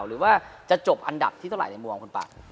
หรือว่าจะจบอันดับที่เท่าไหร่ในมุมคุณปาก